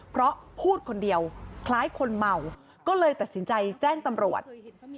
เพราะพูดคนเดียวคล้ายคนเมาก็เลยตัดสินใจแจ้งตำรวจ